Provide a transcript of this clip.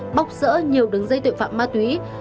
bóc sỡ nhiều đứng dây tội phạm ma túy